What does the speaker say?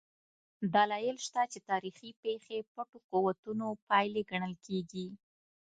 دلایل شته چې تاریخي پېښې پټو قوتونو پایلې ګڼل کېږي.